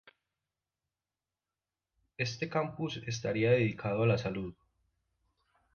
Este campus estaría dedicado a la salud.